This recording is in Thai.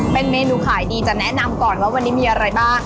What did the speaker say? เป็นเมนูขายดีจะแนะนำก่อนว่าวันนี้มีอะไรบ้าง